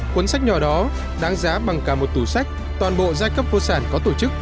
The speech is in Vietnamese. cuốn sách nhỏ đó đáng giá bằng cả một tủ sách toàn bộ giai cấp vô sản có tổ chức